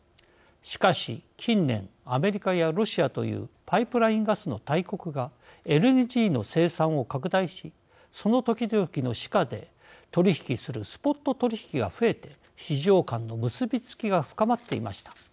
しかし、近年アメリカやロシアというパイプラインガスの大国がＬＮＧの生産を拡大しその時々の市価で取引するスポット取引が増えて市場間の結び付きが深まっていました。